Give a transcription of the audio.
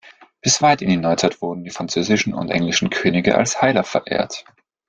Bis weit in die Neuzeit wurden die französischen und englischen Könige als Heiler verehrt.